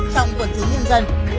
trong quần thú nhân dân